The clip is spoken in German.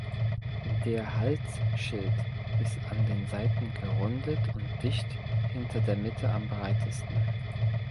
Der Halsschild ist an den Seiten gerundet und dicht hinter der Mitte am breitesten.